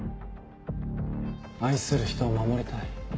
愛する人を守りたい。